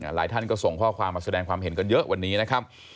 หลายท่านก็ส่งข้อความมาแสดงความเห็นกันเยอะวันนี้นะครับ